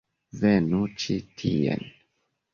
Venu ĉi tien!